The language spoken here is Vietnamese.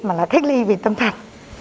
mà là cách ly vì tâm thần